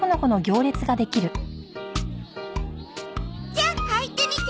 じゃあ履いてみて。